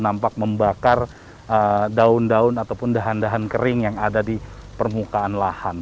nampak membakar daun daun ataupun dahan dahan kering yang ada di permukaan lahan